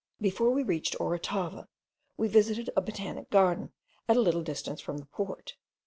Before we reached Orotava, we visited a botanic garden at a little distance from the port.